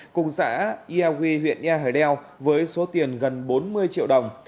cùng xã yà huy huyện yà hời đeo với số tiền gần bốn mươi triệu đồng